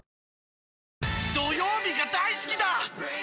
あ土曜日が大好きだー！